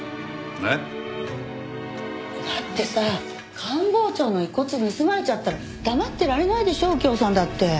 えっ？だってさ官房長の遺骨盗まれちゃったら黙ってられないでしょ右京さんだって。